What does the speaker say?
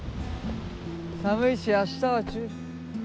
寒いし明日は中止。